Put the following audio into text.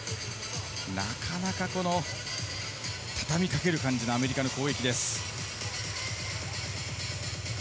なかなか畳み掛ける感じのアメリカの攻撃です。